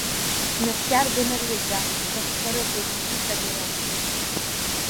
Днаскьаргон рҩыза, рыхқәа рықәыжь, иҵагылан.